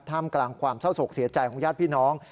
กลางความเศร้าโศกเสียใจของญาติพี่น้อง